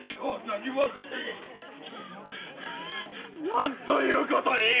何ということに！